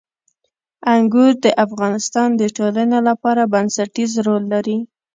انګور د افغانستان د ټولنې لپاره بنسټيز رول لري.